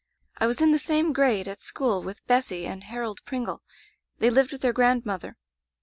"I was in the same grade at school with Bessy and Harold Pringle. They lived with their grandmother.